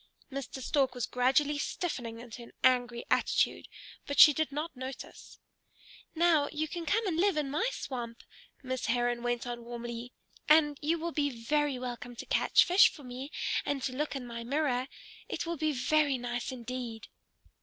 Mr. Stork was gradually stiffening into an angry attitude, but she did not notice. "Now you can come and live in my swamp," Miss Heron went on warmly, "and you will be very welcome to catch fish for me, and to look in my mirror. It will be very nice indeed!"